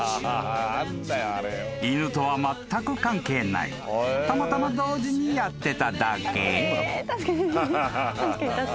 ［犬とはまったく関係ない］［たまたま同時にやってただけ］